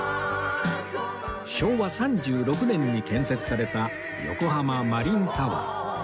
昭和３６年に建設された横浜マリンタワー